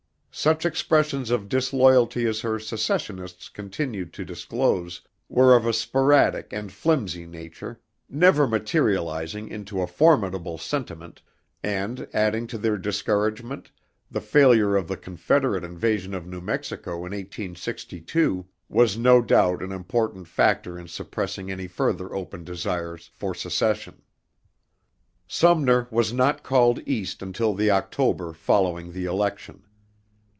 Such expressions of disloyalty as her secessionists continued to disclose, were of a sporadic and flimsy nature, never materializing into a formidable sentiment; and, adding to their discouragement, the failure of the Confederate invasion of New Mexico in 1862, was no doubt an important factor in suppressing any further open desires for secession. Sumner was not called East until the October following the election.